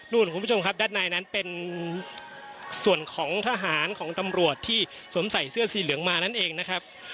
คุณผู้ชมครับด้านในนั้นเป็นส่วนของทหารของตำรวจที่สวมใส่เสื้อสีเหลืองมานั่นเองนะครับ